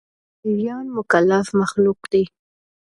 پيريان مکلف مخلوق دي